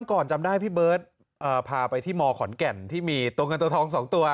ก่อนจำได้พี่เบิร์ตพาไปที่มขอนแก่นที่มีตัวเงินตัวทอง๒ตัว